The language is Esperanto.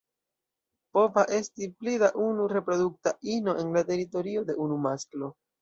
Pova esti pli da unu reprodukta ino en la teritorio de unu masklo.